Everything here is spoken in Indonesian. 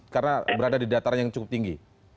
karena berada di dataran yang cukup tinggi